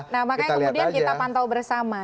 nah makanya kemudian kita pantau bersama